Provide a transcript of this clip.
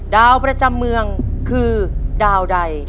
ดาวประจำเมืองคือดาวใด